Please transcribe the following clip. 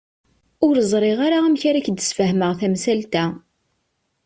Ur ẓriɣ ara amek ara ak-d-sfehmeɣ tamsalt-a.